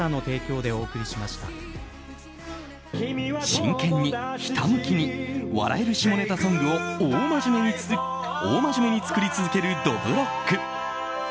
真剣に、ひたむきに笑える下ネタソングを大真面目に作り続けるどぶろっく。